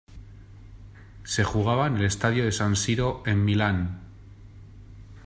Se jugaba en el estadio de San Siro en Milán.